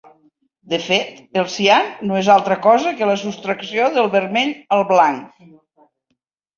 De fet, el cian no és altra cosa que la sostracció del vermell al blanc.